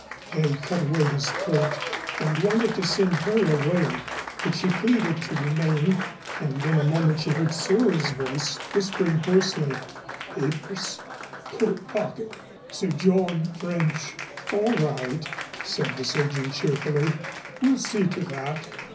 They cut away his coat and wanted to send her away, but she pleaded to remain and in a moment she heard Cyril's voice whispering hoarsely "Papers coat pocket Sir John French." "All right," said the surgeon cheerfully. "We'll see to that."